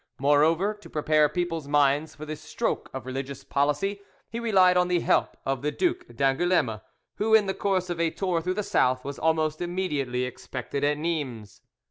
Moreover, to prepare people's minds for this stroke of religious policy, he relied on the help of the Duc d'Angouleme, who in the course of a tour through the South was almost immediately expected at Nimes.